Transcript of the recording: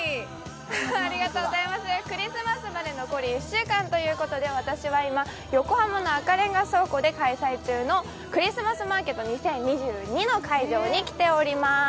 クリスマスまで残り１週間ということで、私は今、横浜の赤レンガ倉庫で開催中のクリスマスマーケット２０２２の会場に来ています。